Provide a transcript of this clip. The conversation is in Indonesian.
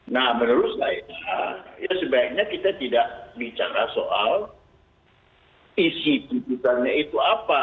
nah menurut saya ya sebaiknya kita tidak bicara soal isi putusannya itu apa